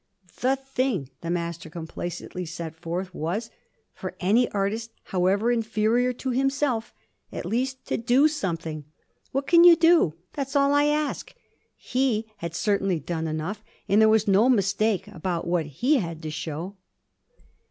The thing, the Master complacently set forth was for any artist, however inferior to himself at least to 'do' something. 'What can you do? That's all I ask!' He had certainly done enough, and there was no mistake about what he had to show.